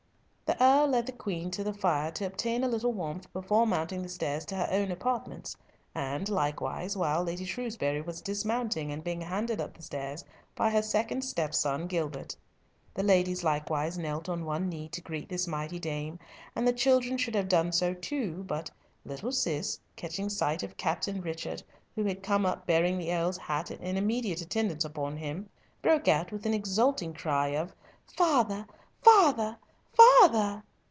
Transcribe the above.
The Earl led the Queen to the fire to obtain a little warmth before mounting the stairs to her own apartments, and likewise while Lady Shrewsbury was dismounting, and being handed up the stairs by her second stepson, Gilbert. The ladies likewise knelt on one knee to greet this mighty dame, and the children should have done so too, but little Cis, catching sight of Captain Richard, who had come up bearing the Earl's hat, in immediate attendance on him, broke out with an exulting cry of "Father! father! father!"